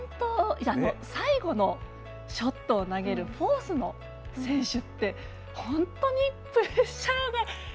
最後のショットを投げるフォースの選手って本当にプレッシャーが。